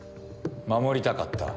守りたかった？